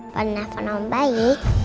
pernah telfon om bayi